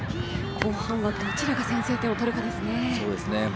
後半、どちらが先制点をとるかですね。